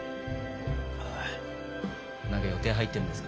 何か予定入ってるんですか？